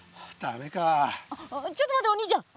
あちょっと待ってお兄ちゃん。